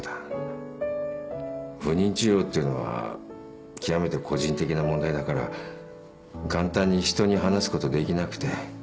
不妊治療っていうのは極めて個人的な問題だから簡単に人に話すことできなくて。